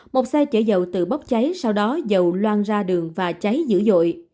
một xe chở dầu tự bóp cháy sau đó dầu loan ra đường và cháy dữ dội